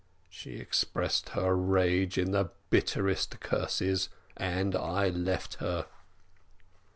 She expressed her rage in the bitterest curses, and I left her.